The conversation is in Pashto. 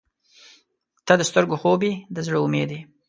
• ته د سترګو خوب یې، د زړه امید یې.